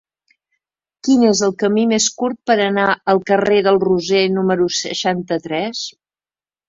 Quin és el camí més curt per anar al carrer del Roser número seixanta-tres?